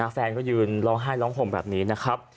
แฟนก็ยืนร้องไห้ร้องห่มแบบนี้นะครับ